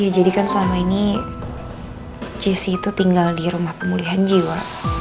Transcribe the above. ya jadikan selama ini jessy itu tinggal di rumah pemulihan jiwa